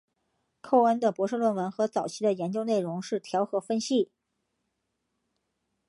寇恩的博士论文和早期的研究内容是调和分析。